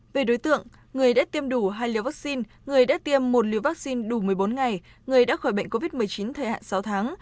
về đối tượng người đã tiêm đủ hai liều vaccine người đã tiêm một liều vaccine đủ một mươi bốn ngày người đã khỏi bệnh covid một mươi chín thời hạn sáu tháng